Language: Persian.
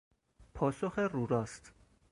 پاسخ روراست